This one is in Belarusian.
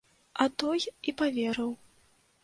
А той і паверыў.